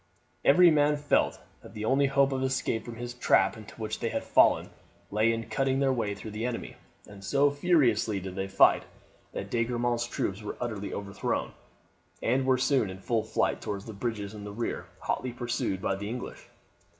Every man felt that the only hope of escape from this trap into which they had fallen lay in cutting their way through the enemy, and so furiously did they fight that De Grammont's troops were utterly overthrown, and were soon in full flight towards the bridges in the rear, hotly pursued by the English.